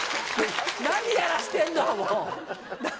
何やらしてんの、もう。